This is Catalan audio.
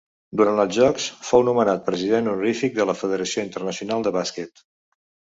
Durant els Jocs, fou nomenat President Honorífic de la Federació Internacional de Bàsquet.